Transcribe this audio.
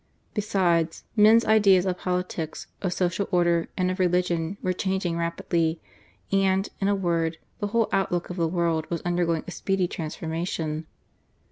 Besides, men's ideas of politics, of social order, and of religion were changing rapidly, and, in a word, the whole outlook of the world was undergoing a speedy transformation.